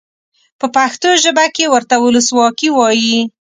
په پښتو ژبه کې ورته ولسواکي وایي.